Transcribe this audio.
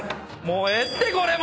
もうええってこれ！